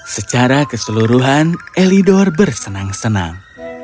secara keseluruhan elidor bersenang senang